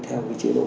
theo cái chế độ